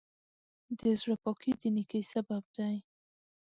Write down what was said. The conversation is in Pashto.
د زړۀ پاکي د نیکۍ سبب دی.